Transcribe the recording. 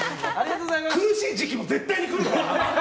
苦しい時期も絶対に来るからな！